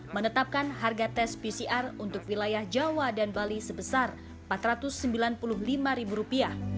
menetapkan harga tes pcr untuk wilayah jawa dan bali sebesar rp empat ratus sembilan puluh lima